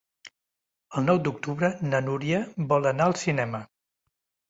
El nou d'octubre na Núria vol anar al cinema.